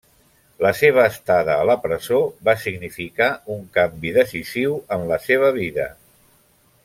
La seva estada a la presó va significar un canvi decisiu en la seva vida.